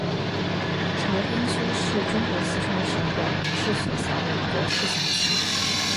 朝天区是中国四川省广元市所辖的一个市辖区。